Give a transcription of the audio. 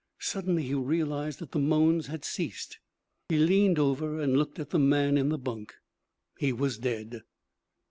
Suddenly he realized that the moans had ceased. He leaned over and looked at the man in the bunk. He was dead.